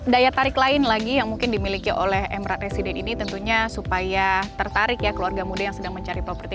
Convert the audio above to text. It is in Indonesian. daya tarik lain lagi yang mungkin dimiliki oleh emerald resident ini tentunya supaya tertarik ya keluarga muda yang sedang mencari properti